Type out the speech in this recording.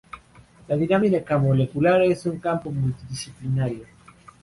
La dinámica molecular es un campo multidisciplinario.